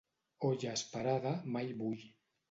Olla esperada mai bull.